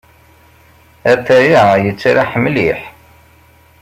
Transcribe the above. Atay-a yettraḥ mliḥ.